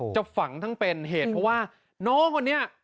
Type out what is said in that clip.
จับฝังทั้งเป็นเหตุว่าน้องคนนี้